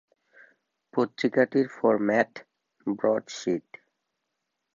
পত্রিকাটির format broadsheet.